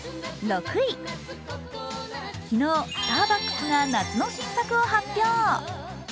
昨日、スターバックスが夏の新作を発表。